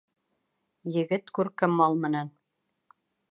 Егет күрке мал менән.